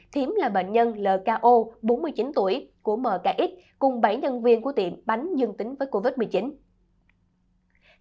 thiếm là bệnh nhân lko bốn mươi chín tuổi của mk x cùng bảy nhân viên của tiệm bánh dương tính với covid một mươi chín